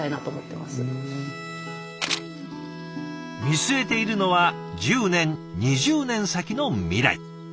見据えているのは１０年２０年先の未来。